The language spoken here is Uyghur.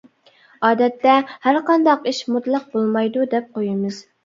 ئادەتتە ھەرقانداق ئىش مۇتلەق بولمايدۇ دەپ قويىمىز.